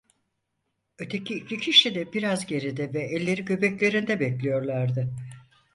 Öteki iki kişi de biraz geride ve elleri göbeklerinde bekliyorlardı.